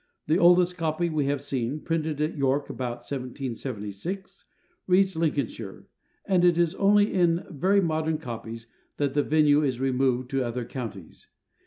The oldest copy we have seen, printed at York about 1776, reads 'Lincolnshire,' and it is only in very modern copies that the venue is removed to other counties.